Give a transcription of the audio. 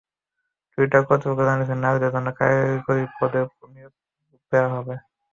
Twitter কর্তৃপক্ষ জানিয়েছে, নারীদের জন্য কারিগরি পদে বেশি নিয়োগ দেওয়া হবে।